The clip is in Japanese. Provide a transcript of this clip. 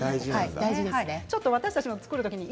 大事ですね。